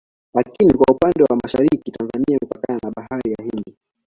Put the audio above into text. Lakini kwa upande wa Mashariki Tanzania imepakana na Bahari ya Hindi